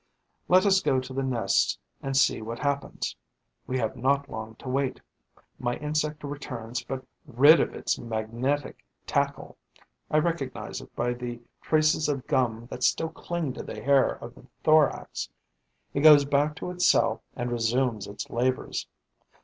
Let us go to the nests and see what happens. We have not long to wait: my insect returns, but rid of its magnetic tackle. I recognize it by the traces of gum that still cling to the hair of the thorax. It goes back to its cell and resumes its labours.